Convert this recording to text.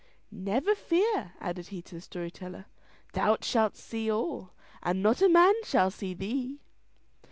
"Never fear," added he to the story teller, "thou shalt see all, and not a man shall see thee."